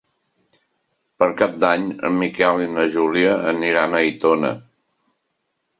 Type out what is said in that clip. Per Cap d'Any en Miquel i na Júlia aniran a Aitona.